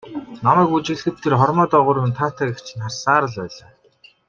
Намайг бүжиглэхэд тэр хормой доогуур минь таатай гэгч нь харсаар л байлаа.